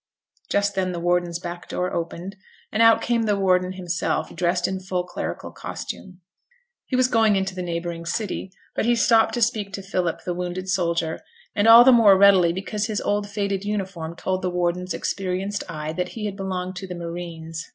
Just then the warden's back door opened, and out came the warden himself, dressed in full clerical costume. He was going into the neighbouring city, but he stopped to speak to Philip, the wounded soldier; and all the more readily because his old faded uniform told the warden's experienced eye that he had belonged to the Marines.